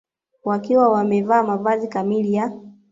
wakiwa wamevaa mavazi kamili ya